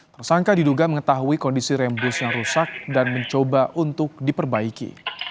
tersangka diduga mengetahui kondisi rem bus yang rusak dan mencoba untuk diperbaiki